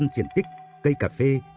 năm mươi diện tích cây cà phê